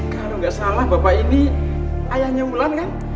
kalau nggak salah bapak ini ayahnya mulan kan